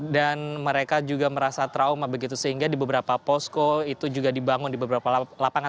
dan mereka juga merasa trauma begitu sehingga di beberapa posko itu juga dibangun di beberapa lapangan